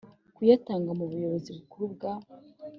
kuyatanga mu Buyobozi Bukuru bwa